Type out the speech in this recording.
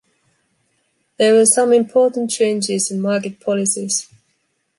There were some important changes in market policies.